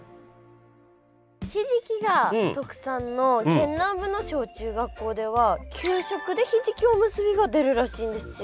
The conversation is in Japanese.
ひじきが特産の県南部の小中学校では給食でひじきおむすびが出るらしいんですよ。